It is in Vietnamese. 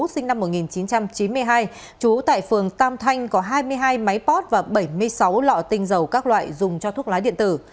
sinh năm một nghìn chín trăm chín mươi hai trú tại phường tam thanh có hai mươi hai máy pot và bảy mươi sáu lọ tinh dầu các loại dùng cho thuốc lá điện tử